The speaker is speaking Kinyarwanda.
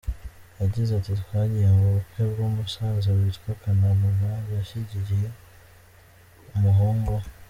Yagize ati "Twagiye mu bukwe bw’umusaza witwa Kananura, yashyingiye umuhungu we.